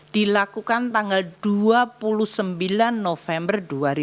dilakukan tanggal dua puluh sembilan november dua ribu dua puluh